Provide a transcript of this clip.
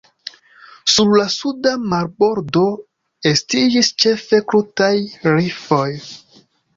Sur la suda marbordo estiĝis ĉefe krutaj rifoj.